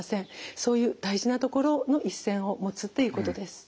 そういう大事なところの一線を持つっていうことです。